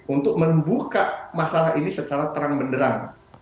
untuk membuka masalah ini secara terang benderang